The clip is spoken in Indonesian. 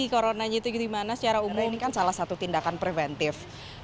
karena ini kan salah satu tindakan preventif